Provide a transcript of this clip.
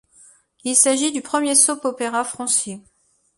Il s'agit du premier soap opera français.